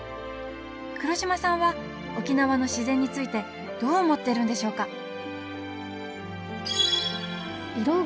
黒島さんは沖縄の自然についてどう思ってるんでしょうか